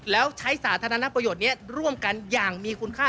แล้วใช้สาธารณประโยชน์นี้ร่วมกันอย่างมีคุณค่า